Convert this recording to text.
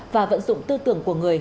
và vận dụng tư tưởng của người